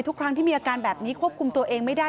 ทุกครั้งที่มีอาการแบบนี้ควบคุมตัวเองไม่ได้